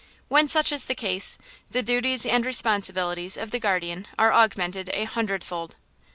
When such is the case, the duties and responsibilities of the guardian are augmented a hundredfold."